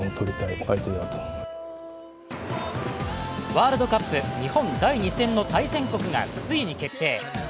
ワールドカップ、日本第２戦の対戦国がついに決定。